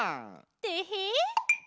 てへ！